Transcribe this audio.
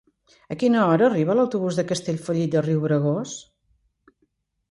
A quina hora arriba l'autobús de Castellfollit de Riubregós?